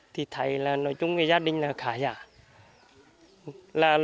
thì thấy là nói chung với gia đình là khá giả